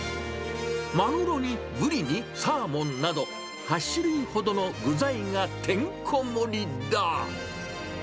マグロにブリにサーモンなど、８種類ほどの具材がてんこ盛りだ。